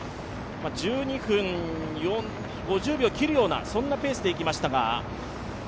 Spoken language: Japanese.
１２分５０秒を切るようなそんなペースでした。